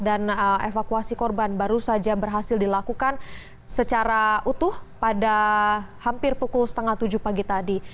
dan evakuasi korban baru saja berhasil dilakukan secara utuh pada hampir pukul setengah tujuh pagi tadi